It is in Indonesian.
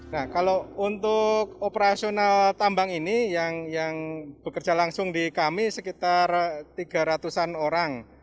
nah kalau untuk operasional tambang ini yang bekerja langsung di kami sekitar tiga ratus an orang